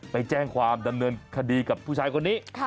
ไปแจ้งความดำเนินคดีกับผู้ชายคนนี้